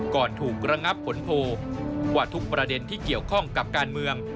ถูกระงับผลโพลว่าทุกประเด็นที่เกี่ยวข้องกับการเมือง